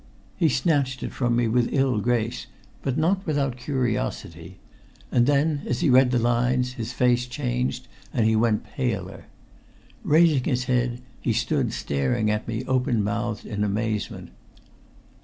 He snatched it from me with ill grace, but not without curiosity. And then, as he read the lines, his face changed and he went paler. Raising his head, he stood staring at me open mouthed in amazement.